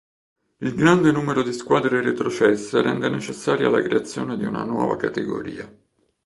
Il grande numero di squadre retrocesse rende necessaria la creazione di una nuova categoria.